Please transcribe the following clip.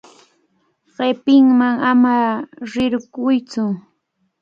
Qipaman ama rirquytsu.